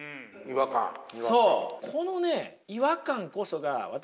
そう。